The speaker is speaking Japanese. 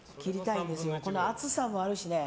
この厚さもあるしね。